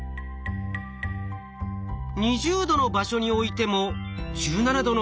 ２０℃の場所に置いても１７℃の方へ移動。